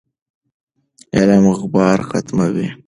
علم غبار ختموي.